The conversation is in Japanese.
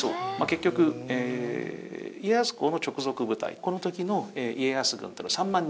結局家康公の直属部隊この時の家康軍というのは３万人くらい。